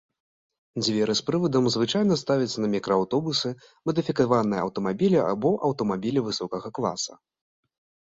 Дзверы з прывадам звычайна ставяцца на мікрааўтобусы, мадыфікаваныя аўтамабілі або аўтамабілі высокага класа.